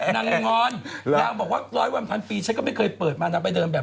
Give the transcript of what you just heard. งอนนางบอกว่าร้อยวันพันปีฉันก็ไม่เคยเปิดมานางไปเดินแบบ